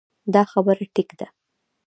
دا خبره ټيک ده -